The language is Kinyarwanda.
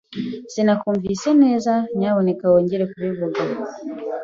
Sinakumvise neza. Nyamuneka wongeye kubivuga?